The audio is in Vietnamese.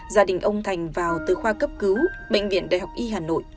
gia đình ông thành vào từ khoa cấp cứu bệnh viện đại học y hà nội